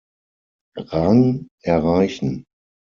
Rang erreichen.